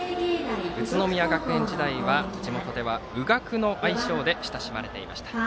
宇都宮学園時代は地元では宇学の愛称で親しまれていました。